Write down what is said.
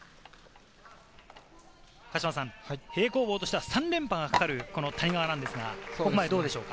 平行棒としては３連覇がかかる谷川なんですが、ここまでどうでしょう？